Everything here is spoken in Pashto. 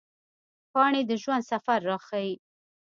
پاڼې د ژوند سفر راښيي